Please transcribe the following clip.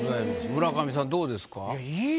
村上さんどうですか？